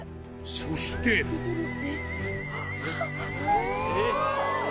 そしてえっ！